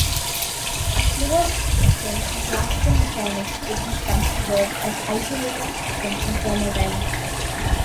A closed system in classical mechanics would be considered an isolated system in thermodynamics.